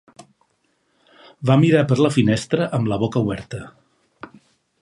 Va mirar per la finestra amb la boca oberta.